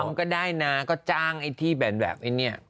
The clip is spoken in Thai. ทำก็ได้นะก็จ้างไอ้ทิแบนแบบอันนี้